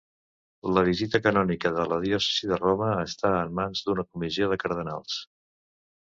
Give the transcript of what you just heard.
La visita canònica de la diòcesi de Roma està en mans d'una comissió de cardenals.